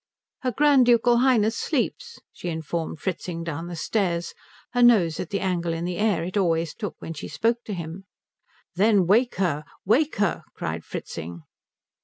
"Her Grand Ducal Highness sleeps," she informed Fritzing down the stairs, her nose at the angle in the air it always took when she spoke to him. "Then wake her! Wake her!" cried Fritzing.